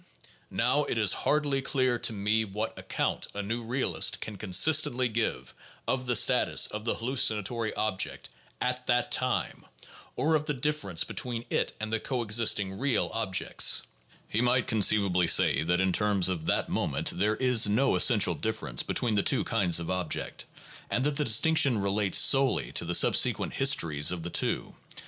Now, it is hardly clear to me what account a new realist can consistently give of the status of the hallucinatory object at that time, or of the difference between it and the coexisting "real" ob jects. He might conceivably say that in terms of that moment there is no essential difference between the two kinds of object, that the distinction relates solely to the subsequent histories of the two.